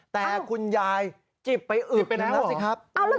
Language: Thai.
แต่คุณยายผิดไปอึกเลยนะคุณสิครับ